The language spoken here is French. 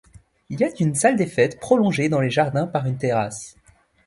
Il y a une salle de fête, prolongée dans les jardins par une terrasse.